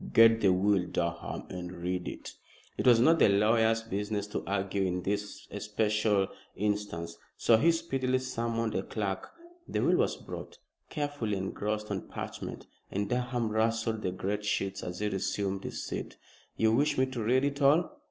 "Get the will, Durham, and read it." It was not the lawyer's business to argue in this especial instance, so he speedily summoned a clerk. The will was brought, carefully engrossed on parchment, and Durham rustled the great sheets as he resumed his seat. "You wish me to read it all?"